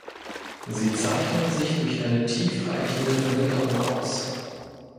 Sie zeichnen sich durch eine tiefreichende Verwitterung aus.